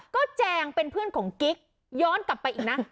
ก็แจงเป็นเพื่อนของกิ๊กย้อนกลับไปอีกนะ